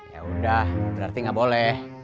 yaudah berarti gak boleh